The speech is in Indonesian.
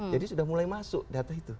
sudah mulai masuk data itu